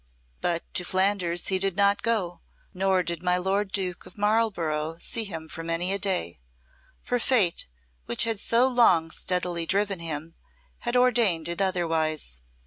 But to Flanders he did not go, nor did my Lord Duke of Marlborough see him for many a day, for Fate, which had so long steadily driven him, had ordained it otherwise.